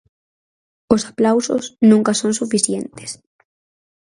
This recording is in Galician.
Os aplausos nunca son suficientes.